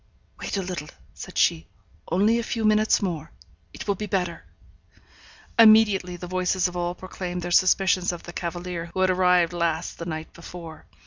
'Wait a little,' said she. 'Only a few minutes more. It will be better.' Immediately the voices of all proclaimed their suspicions of the cavalier who had arrived last the night before.